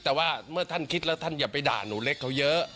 แต่ว่าเมื่อท่านคิดแล้วท่านอย่าไปด่าหนูเล็กเขาเยอะ